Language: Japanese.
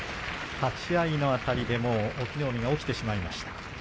立ち合いのあたりで隠岐の海が起きてしまいました。